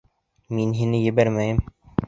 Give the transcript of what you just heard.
Мин һине ебәрмәйем!